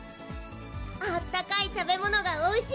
あったかい食べ物がおいしい